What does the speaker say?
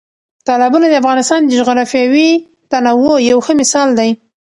تالابونه د افغانستان د جغرافیوي تنوع یو ښه مثال دی.